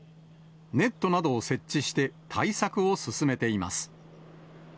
ネットなどを設置して対策を進めています。